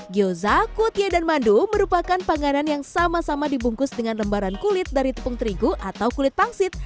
gyoza kutie dan mandu merupakan panganan yang sama sama dibungkus dengan lembaran kulit dari tepung terigu atau kulit pangsit